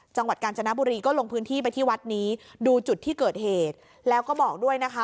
จังหวัดกาญจนบุรีก็ลงพื้นที่ไปที่วัดนี้ดูจุดที่เกิดเหตุแล้วก็บอกด้วยนะคะ